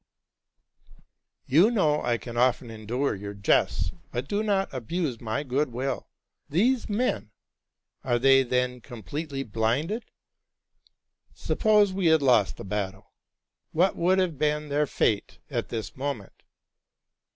"''¢ You know I can often endure your jests, but do not abuse my good will. These men —are they, then, completely blinded ? Suppose we had lost the battle: what would have been their fate at this moment?